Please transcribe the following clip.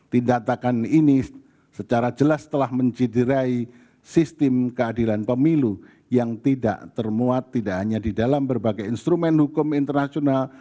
tindakan ini secara jelas telah menciderai sistem keadilan pemilu yang tidak termuat tidak hanya di dalam berbagai instrumen hukum internasional